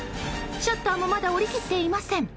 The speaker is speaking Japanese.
シャッターもまだ下りきっていません。